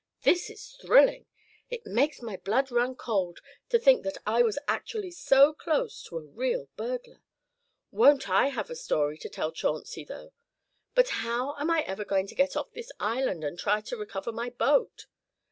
This is thrilling. It makes my blood run cold to think that I was actually so close to a real burglar. Won't I have the story to tell Chauncey, though? But how am I ever to get off this island, and try to recover my boat?"